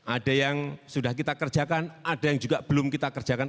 ada yang sudah kita kerjakan ada yang juga belum kita kerjakan